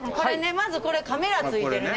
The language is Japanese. まずこれカメラ付いてるね。